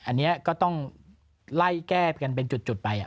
อันนี้ก็ต้องไล่แก้กันเป็นจุดไป